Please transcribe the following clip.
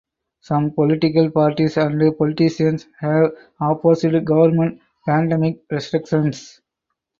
Some political parties and politicians have opposed government pandemic restrictions.